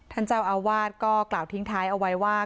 ท่านเจ้าอาวาสก็กล่าวทิ้งท้ายเอาไว้ว่า